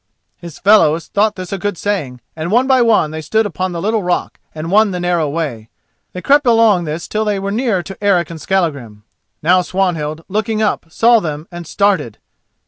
His fellows thought this a good saying, and one by one they stood upon the little rock and won the narrow way. They crept along this till they were near to Eric and Skallagrim. Now Swanhild, looking up, saw them and started.